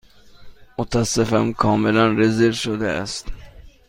متأسفم، کاملا رزرو شده است.